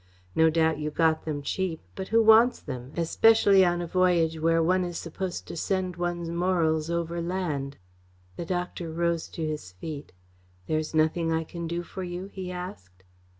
No doubt you got them cheap, but who wants them, especially on a voyage where one is supposed to send one's morals overland." The doctor rose to his feet. "There is nothing I can do for you?" he asked.